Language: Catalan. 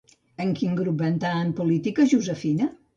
En quin grup va entrar en política Josefina?